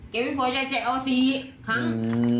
ไม่พอใจแกเอา๔ครั้ง